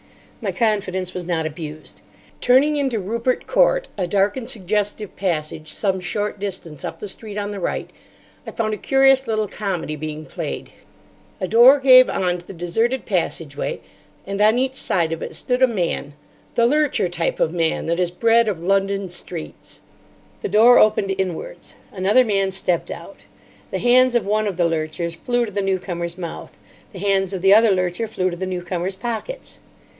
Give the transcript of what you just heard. My confidence was not abused. Turning into Rupert Court, a dark and suggestive passage some short distance up the street on the right, I found a curious little comedy being played. A door gave on to the deserted passageway, and on each side of it stood a man—the lurcher type of man that is bred of London streets. The door opened inwards. Another man stepped out. The hands of one of the lurchers flew to the newcomer's mouth. The hands of the other lurcher flew to the newcomer's pockets.